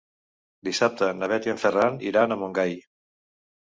Dissabte na Bet i en Ferran iran a Montgai.